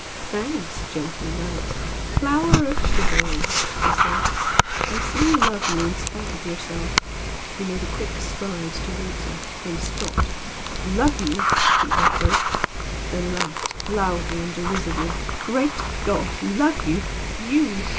"Thanks, gentle Knight! flower of chivalry!" she said "I see you love me in spite of yourself!" He made a quick stride towards her, then stopped. "Love you!" he echoed, then laughed loudly and derisively "Great God! Love you? YOU?